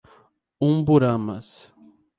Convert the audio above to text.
Umburanas